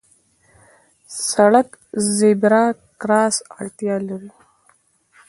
سړک د زېبرا کراس اړتیا لري.